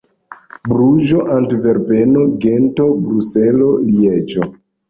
Bruĝo, Antverpeno, Gento, Bruselo, Lieĝo.